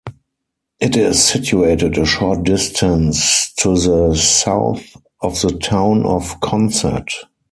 It is situated a short distance to the south of the town of Consett.